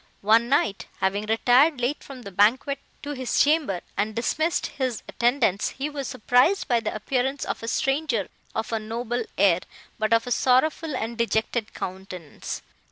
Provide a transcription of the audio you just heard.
One night, having retired late from the banquet to his chamber, and dismissed his attendants, he was surprised by the appearance of a stranger of a noble air, but of a sorrowful and dejected countenance.